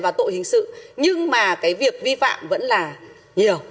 và tội hình sự nhưng mà cái việc vi phạm vẫn là nhiều